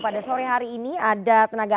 pada sore hari ini ada tenaga